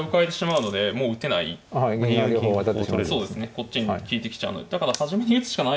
こっちに利いてきちゃうのでだから初めに打つしかない。